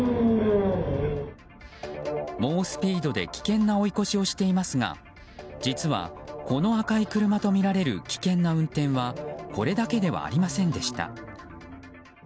猛スピードで危険な追い越しをしていますが実は、この赤い車とみられる危険な運転はこれだけではありませんでした。